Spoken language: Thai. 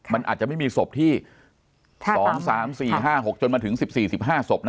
มันอาจจะไม่มีศพที่สองสามสี่ห้าหกจนมาถึงสิบสี่สิบห้าศพนะ